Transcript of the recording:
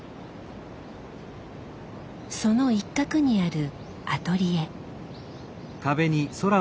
その一角にあるアトリエ。